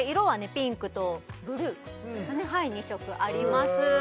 ピンクとブルー２色あります